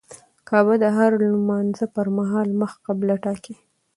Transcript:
کعبه د هر لمونځه پر مهال مخ قبله ټاکي.